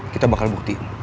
kita bakal bukti